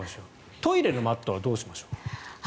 トイレのマットはどうでしょう。